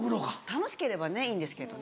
楽しければねいいんですけど。